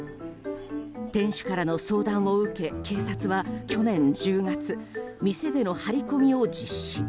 店主からの相談を受け警察は去年１０月店での張り込みを実施。